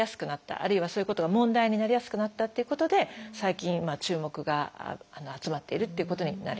あるいはそういうことが問題になりやすくなったということで最近注目が集まっているっていうことになります。